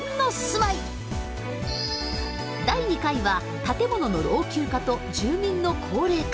第２回は建物の老朽化と住民の高齢化。